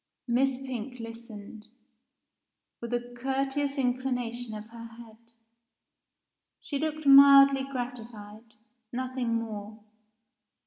Miss Pink listened, with a courteous inclination of her head. She looked mildly gratified, nothing more.